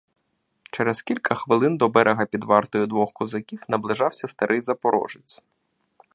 Через кільки хвилин до берега під вартою двох козаків наближався старий запорожець.